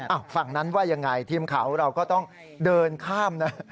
อ้าวฝั่งนั้นว่ายังไงทีมเขาเราก็ต้องเดินข้ามนะ